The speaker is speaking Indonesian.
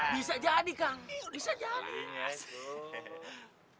bisa jadi kang bisa jadi